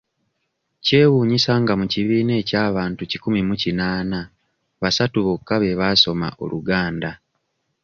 Kyewuunyisa nga mu kibiina eky'abantu kikumi mu kinaaana basatu bokka be basoma Oluganda.